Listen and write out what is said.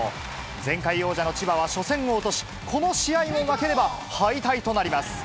前回王者の千葉は、初戦を落とし、この試合に負ければ、敗退となります。